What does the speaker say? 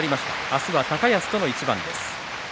明日は高安との一番です。